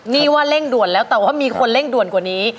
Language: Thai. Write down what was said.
นี่ว่าเร่งด่วนแล้วแต่ว่ามีคนเร่งด่วนกว่านี้